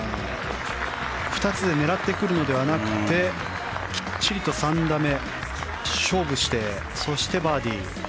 ２つで狙ってくるのではなくてきっちりと３打目勝負してそしてバーディー。